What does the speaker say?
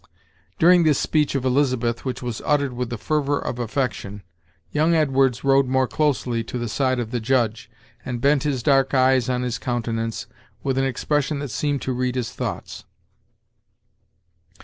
During this speech of Elizabeth, which was uttered with the fervor of affection, young Edwards rode more closely to the side of the Judge, and bent his dark eyes on his countenance with an expression that seemed to read his thoughts.